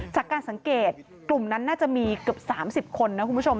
จากการสังเกตกลุ่มนั้นน่าจะมีเกือบ๓๐คนนะคุณผู้ชม